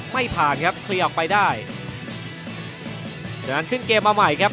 ไม่ผ่านครับเคลียร์ออกไปได้จากนั้นขึ้นเกมมาใหม่ครับ